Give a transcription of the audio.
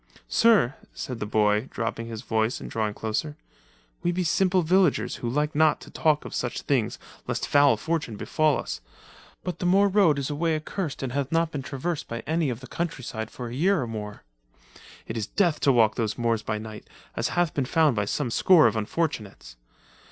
Sir," said the boy, dropping his voice and drawing closer, "we be simple villagers who like not to talk of such things lest foul fortune befall us, but the moor road is a way accurst and hath not been traversed by any of the countryside for a year or more. It is death to walk those moors by night, as hath been found by some score of unfortunates.